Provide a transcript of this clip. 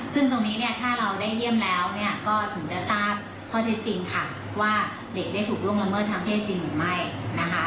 ซึ่งตรงนี้เนี่ยถ้าเราได้เยี่ยมแล้วเนี่ยก็ถึงจะทราบข้อเท็จจริงค่ะว่าเด็กได้ถูกล่วงละเมิดทางเพศจริงหรือไม่นะคะ